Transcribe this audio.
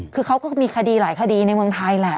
คือเขาก็มีคดีหลายคดีในเมืองไทยแหละ